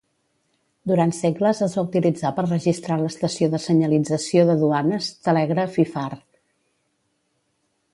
Durant segles es va utilitzar per registrar l'estació de senyalització de duanes telègraf i far.